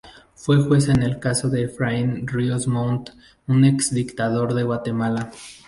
Fue jueza en el caso de Efraín Ríos Montt, un ex-dictador de Guatemala.